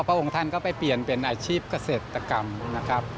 องค์ท่านก็ไปเปลี่ยนเป็นอาชีพเกษตรกรรมนะครับ